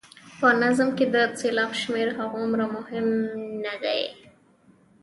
په نظم کې د سېلاب شمېر هغومره مهم نه دی.